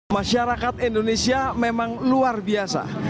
masyarakat indonesia memang luar biasa